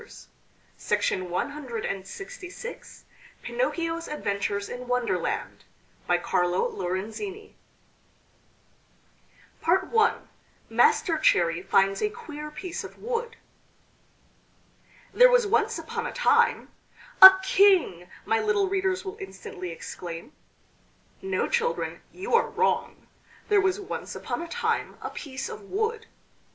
ITALIAN STORIES PINOCCHIO'S ADVENTURES IN WONDERLAND BY CARLO LORENZINI I MASTER CHERRY FINDS A QUEER PIECE OF WOOD THERE was once upon a time ... "A king!" my little readers will instantly exclaim. No, children, you are wrong. There was once upon a time a piece of wood.